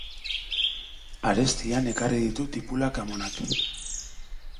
Arestian ekarri ditu tipulak amonak.